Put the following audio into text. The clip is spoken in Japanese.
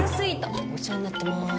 お世話になってます。